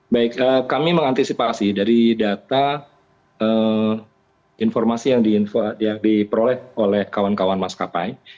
baik kami mengantisipasi dari data informasi yang diperoleh oleh kawan kawan maskapai